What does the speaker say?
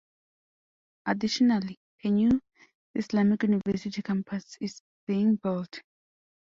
Additionally, a New Islamic University campus is being built.